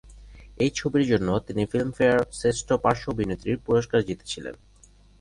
এই ছবির জন্য তিনি ফিল্মফেয়ার শ্রেষ্ঠ পার্শ্ব অভিনেত্রী পুরস্কার জিতেছিলেন।